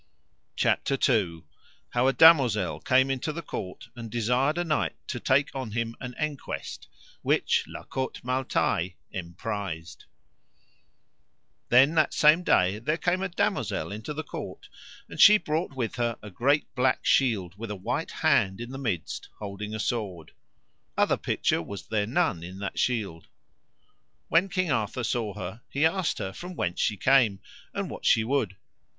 CHAPTER II. How a damosel came into the court and desired a knight to take on him an enquest, which La Cote Male Taile emprised. Then that same day there came a damosel into the court, and she brought with her a great black shield, with a white hand in the midst holding a sword. Other picture was there none in that shield. When King Arthur saw her he asked her from whence she came and what she would.